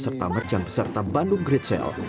serta merchant peserta bandung great sale